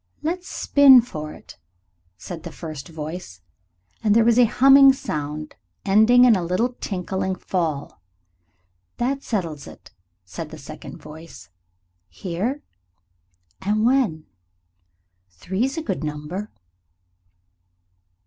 "Let's spin for it," said the first voice, and there was a humming sound ending in a little tinkling fall. "That settles it," said the second voice "here?" "And when?" "Three's a good number."